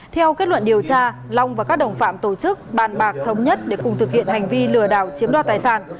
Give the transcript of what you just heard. theo kết luận điều tra long và các đồng phạm tổ chức bàn bạc thống nhất để cùng thực hiện hành vi lừa đảo chiếm đoạt tài sản